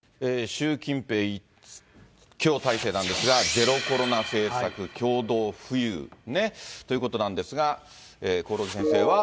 習近平一強体制なんですが、ゼロコロナ政策、共同富裕ということなんですが、興梠先生は。